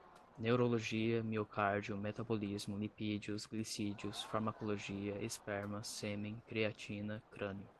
neurologia, miocárdio, metabolismo, lipídios, glicídios, farmacologia, esperma, sêmen, creatina, crânio